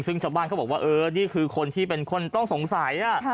ซึ่งชาวบ้านเขาบอกว่าเออนี่คือคนที่เป็นคนต้องสงสัย